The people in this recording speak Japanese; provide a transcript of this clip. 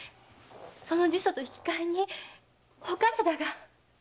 その呪詛と引き替えにお体が！